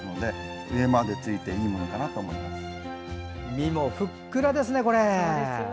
実もふっくらですね、これ。